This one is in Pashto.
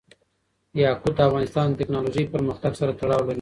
یاقوت د افغانستان د تکنالوژۍ پرمختګ سره تړاو لري.